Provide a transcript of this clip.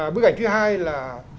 bức ảnh thứ hai là